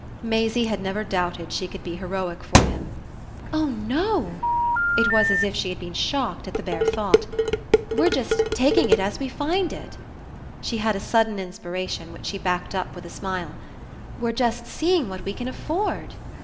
Maisie had never doubted she could be heroic for him. "Oh no!" It was as if she had been shocked at the bare thought. "We're just taking it as we find it." She had a sudden inspiration, which she backed up with a smile. "We're just seeing what we can afford."